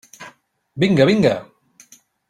Vinga, vinga!